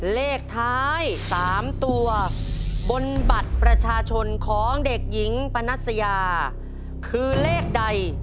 เลขท้าย๓ตัวบนบัตรประชาชนของเด็กหญิงปนัสยาคือเลขใด